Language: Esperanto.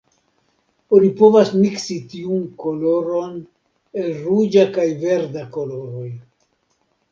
Oni povas miksi tiun koloron el ruĝa kaj verda koloroj.